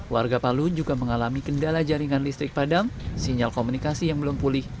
warga palu juga mengalami kendala jaringan listrik padam sinyal komunikasi yang belum pulih